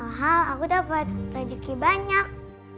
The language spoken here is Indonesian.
mahal aku dapat rezeki banyak